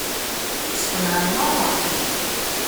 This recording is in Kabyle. Sqenɛen meṛṛa.